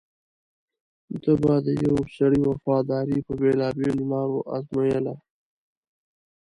ده به د یوه سړي وفاداري په بېلابېلو لارو ازمویله.